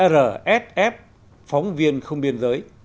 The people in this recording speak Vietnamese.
rsf phóng viên không biên giới